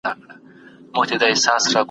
او مارغان به یې پر بام کغیږي